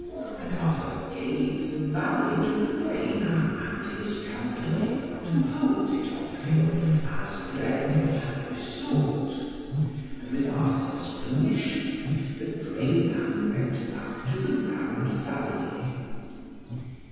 And Arthur gave the valley to the grey man and his company, to hold it of him as Peredur had besought. And with Arthur's permission, the grey man went back to the Round Valley.